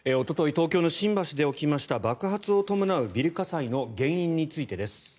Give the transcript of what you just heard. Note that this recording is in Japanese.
東京の新橋で起きました爆発を伴うビル火災の原因についてです。